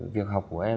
việc học của em